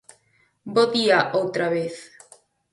Bo día outra vez.